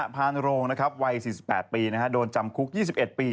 พานโรงวัย๔๘ปีโดนจำคุก๒๑ปี